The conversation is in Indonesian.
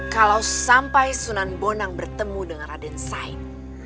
kalau sampai sunan bonang bertemu dengan raden said